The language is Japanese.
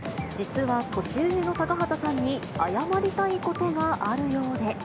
実は年上の高畑さんに謝りたいことがあるようで。